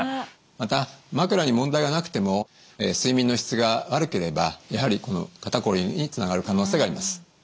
また枕に問題がなくても睡眠の質が悪ければやはりこの肩こりにつながる可能性があります。